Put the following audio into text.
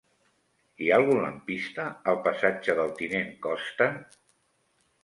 Hi ha algun lampista al passatge del Tinent Costa?